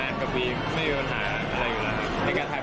แล้วมันก็โอเคเราก็คิดว่าเราได้จะลองทำดู